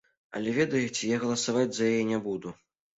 Але ведаеце, я галасаваць за яе не буду.